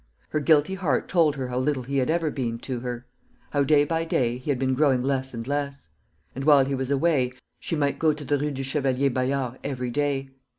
Her guilty heart told her how little he had ever been to her; how, day by day, he had been growing less and less. And while he was away, she might go to the Rue du Chevalier Bayard every day.